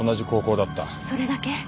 それだけ？